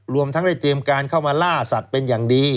รวมทั้งได้เตรียมการเข้ามาล่าสัตว์เป็นอย่างดี